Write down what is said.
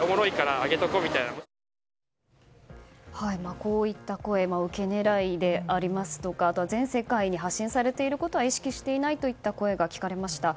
こういった声ウケ狙いでありますとか全世界に発信されていることが意識していないといった声が聞かれました。